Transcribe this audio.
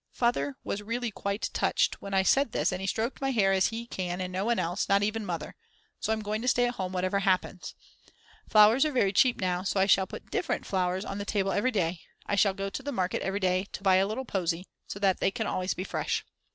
Father was really quite touched when I said this and he stroked my hair as he can and no one else, not even Mother. So I'm going to stay at home whatever happens. Flowers are very cheap now, so I shall put different flowers on the table every day, I shall go to the Market every day to buy a little posy, so that they can always be fresh.